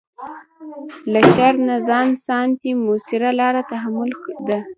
له شر نه ځان ساتنې مؤثره لاره تحمل ده.